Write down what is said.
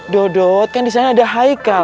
dodot kan disana ada haikal